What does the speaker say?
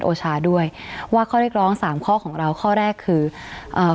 โอชาด้วยว่าข้อเรียกร้องสามข้อของเราข้อแรกคือเอ่อ